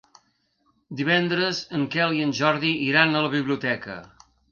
Divendres en Quel i en Jordi iran a la biblioteca.